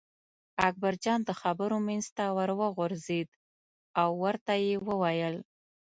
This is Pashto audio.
اکبرجان د خبرو منځ ته ور وغورځېد او ورته یې وویل.